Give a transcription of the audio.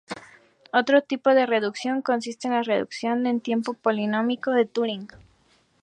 Otro tipo de reducción consiste en la "reducción en tiempo polinómico de Turing".